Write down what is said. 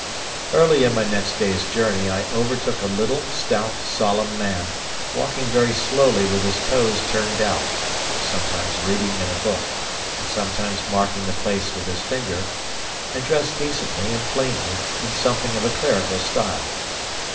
Early in my next day's journey I overtook a little, stout, solemn man, walking very slowly with his toes turned out, sometimes reading in a book and sometimes marking the place with his finger, and dressed decently and plainly in something of a clerical style.